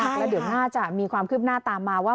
แล้วเดี๋ยวน่าจะมีความคืบหน้าตามมาว่า